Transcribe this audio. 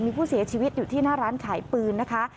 มีผู้เสียชีวิตอยู่ที่หน้าร้านขายปืนนะคะ